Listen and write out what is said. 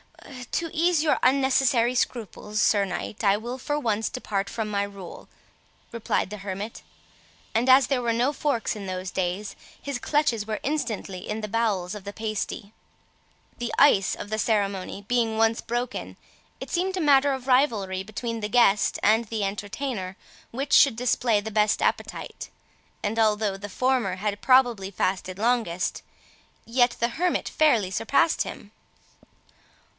"To ease your unnecessary scruples, Sir Knight, I will for once depart from my rule," replied the hermit. And as there were no forks in those days, his clutches were instantly in the bowels of the pasty. The ice of ceremony being once broken, it seemed matter of rivalry between the guest and the entertainer which should display the best appetite; and although the former had probably fasted longest, yet the hermit fairly surpassed him.